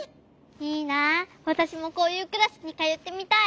いいなわたしもこういうクラスにかよってみたい。